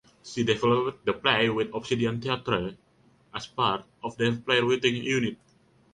She developed the play with Obsidian Theatre as part of their playwriting unit.